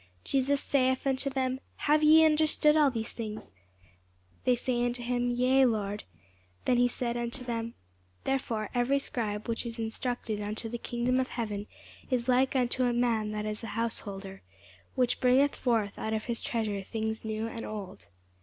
Jesus saith unto them, Have ye understood all these things? They say unto him, Yea, Lord. Then said he unto them, Therefore every scribe which is instructed unto the kingdom of heaven is like unto a man that is an householder, which bringeth forth out of his treasure things new and old.